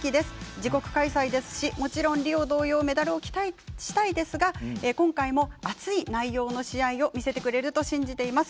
自国開催ですしもちろんリオ同様メダルを期待したいですが今回も熱い内容の試合を見せてくれると信じています。